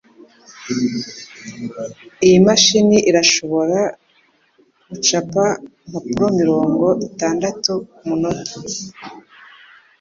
Iyi mashini irashobora gucapa impapuro mirongo itandatu kumunota